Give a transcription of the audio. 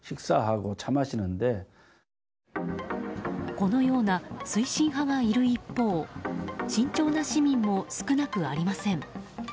このような推進派がいる一方慎重な市民も少なくありません。